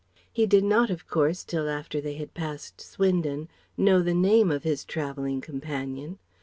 He did not of course till after they had passed Swindon know the name of his travelling companion.